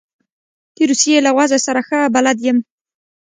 د روسیې له وضع سره ښه بلد یم.